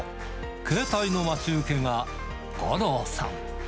携帯の待ち受けが五郎さん。